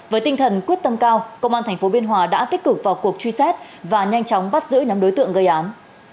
với tinh thần quyết tâm cao công an thành phố biên hòa đã tích cực vào cuộc truy xét và nhanh chóng bắt giữ năm đối tượng gây án